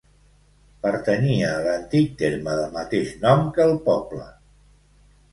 Pertanyia a l'antic terme del mateix nom que el poble.